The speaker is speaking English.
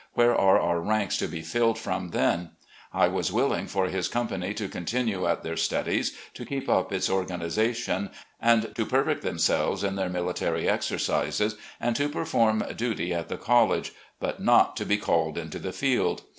Where are our ranks to be filled from then? I was willing for his company to continue at their studies, to keep up its organisation, and to perfect themselves in their military exercises, and to perform duty at the col lege; but not to be called into the field.